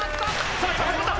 さあ今始まった！